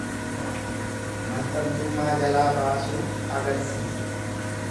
Maxxantummaa jalaa baasuu agarsiisa.